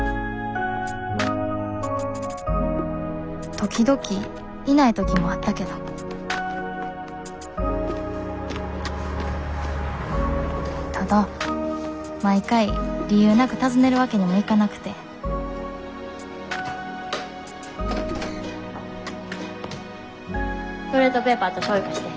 時々いない時もあったけどただ毎回理由なく訪ねるわけにもいかなくてトイレットペーパーとしょうゆ貸して。